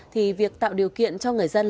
thì việc tạo điều kiện cho người dân